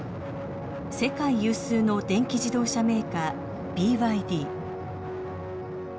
世界有数の電気自動車メーカーＢＹＤ。